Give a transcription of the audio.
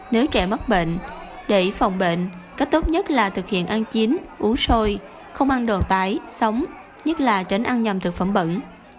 nếu trẻ mắc bệnh để phòng bệnh cách tốt nhất là thực hiện ăn chín uống sôi không ăn đồ tái sống nhất là tránh ăn nhầm thực phẩm bẩn